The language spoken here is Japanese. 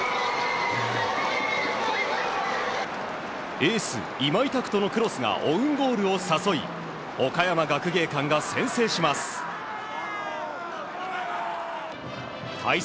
エース今井拓人のクロスがオウンゴールを誘い岡山学芸館が先制します。